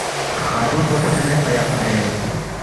خاتُون پو کھیرے میدپا یقپا مید